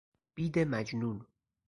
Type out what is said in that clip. بید مجنون